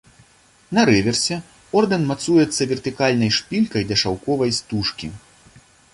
На рэверсе ордэн мацуецца вертыкальнай шпількай да шаўковай стужкі.